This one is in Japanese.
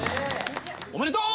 おめでとう！